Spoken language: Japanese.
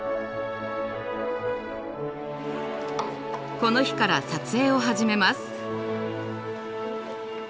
この日から撮影を始めます。